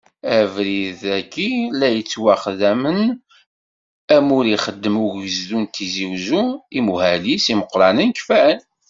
Abrid-agi la yettwaxdamen, amur ixeddem ugezdu n Tizi Uzzu, imuhal-is imeqqranen kfan.